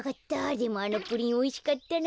でもあのプリンおいしかったな。